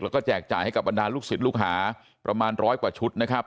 แล้วก็แจกจ่ายให้กับบรรดาลูกศิษย์ลูกหาประมาณร้อยกว่าชุดนะครับ